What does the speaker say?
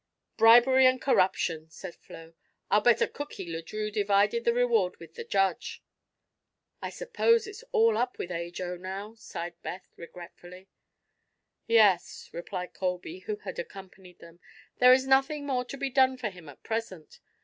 "Bribery and corruption," said Flo. "I'll bet a cookie Le Drieux divided the reward with the judge." "I suppose it's all up with Ajo now," sighed Beth, regretfully. "Yes," replied Colby, who had accompanied them; "there is nothing more to be done for him at present.